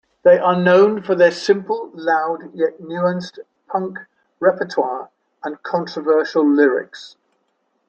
They are known for their simple, loud, yet nuanced punk repertoire, and controversial lyrics.